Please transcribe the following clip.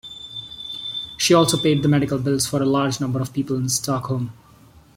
She also paid the medical bills for a large number of people in Stockholm.